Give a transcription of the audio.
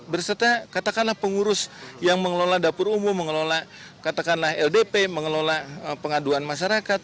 berserta katakanlah pengurus yang mengelola dapur umum mengelola katakanlah ldp mengelola pengaduan masyarakat